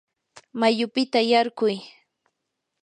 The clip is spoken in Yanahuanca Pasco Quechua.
mayupita yarquy.